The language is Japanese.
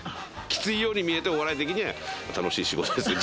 きついように見えてお笑い的には楽しい仕事ですよ。